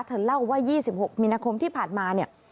เธอเล่าว่า๒๖มีนาคมที่ผ่านมาเนี่ย